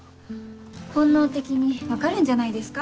本能的に分かるんじゃないですか？